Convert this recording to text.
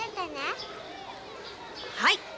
はい！